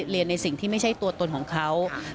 ในสิ่งที่ไม่ใช่ตัวตนของเขา